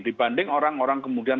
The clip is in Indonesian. dibanding orang orang kemudian